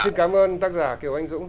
xin cảm ơn tác giả kiều anh dũng